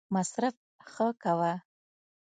صرف «ښه» کوه.